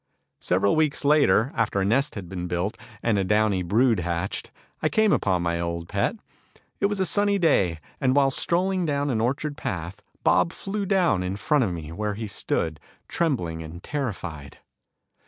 Several weeks later, after a nest had been built and a downy brood hatched, I came upon my old pet. It was a sunny day, and while strolling down an orchard path, Bob flew down in front of me, where he stood, trembling and terrified.